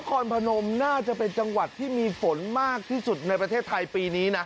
คอนพนมน่าจะเป็นจังหวัดที่มีฝนมากที่สุดในประเทศไทยปีนี้นะ